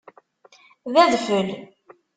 D adfel.